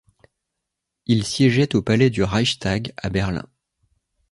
Il siégeait au palais du Reichstag, à Berlin.